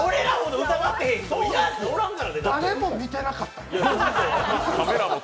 誰も見てなかった。